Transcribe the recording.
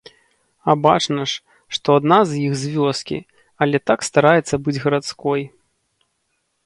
А бачна ж, што адна з іх з вёскі, але так стараецца быць гарадской.